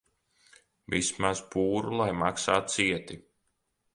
Vismaz pūru lai maksā cieti.